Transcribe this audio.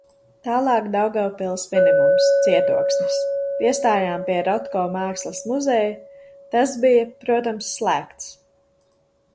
Tālāk Daugavpils minimums - cietoksnis. Piestājām pie Rotko mākslas muzeja, tas bija, protams, slēgts.